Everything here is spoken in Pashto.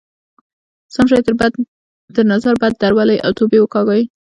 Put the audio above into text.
سم شی تر نظر بد درولئ او توبې وکاږئ.